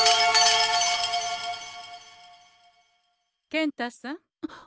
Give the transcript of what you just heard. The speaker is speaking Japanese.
健太さん。